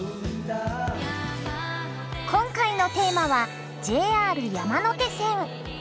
今回のテーマはＪＲ山手線。